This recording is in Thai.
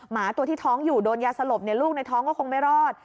หมาตัวที่ท้องอยู่โดนยาสลบลูกในท้องก็คงไม่รอด